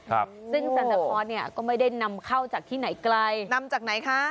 ครับซึ่งจันทพรเนี่ยก็ไม่ได้นำเข้าจากที่ไหนไกลนำจากไหนคะ